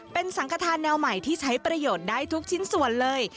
เป็นสังขทานแนวใหม่ที่ใช้ประโยชน์ได้ทุกชิ้นส่วนเลย